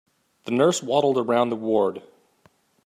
The nurse waddled around the ward.